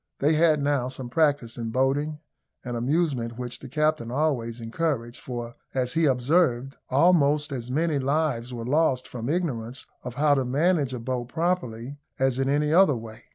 They had now some practice in boating, an amusement which the captain always encouraged; for, as he observed, almost as many lives were lost from ignorance of how to manage a boat properly, as in any other way.